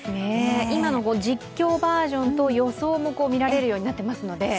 今の実況バージョンと予想も見られるようになってますので。